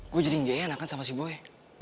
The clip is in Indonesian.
gue jadi nge enakan sama si boy